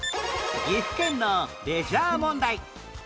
岐阜県のレジャー問題